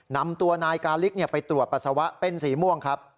นำตัวนายกาลิกไปตรวจปัสสาวะเป็นสีม่วงครับ